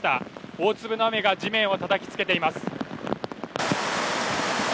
大粒の雨が地面をたたきつけています。